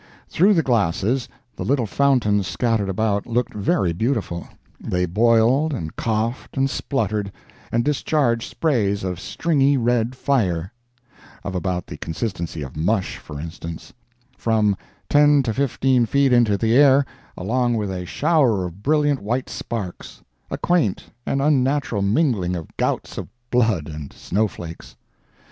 Through the glasses, the little fountains scattered about looked very beautiful. They boiled, and coughed, and spluttered, and discharged sprays of stringy red fire—of about the consistency of mush, for instance—from ten to fifteen feet into the air, along with a shower of brilliant white sparks—a quaint and unnatural mingling of gouts of blood and snowflakes!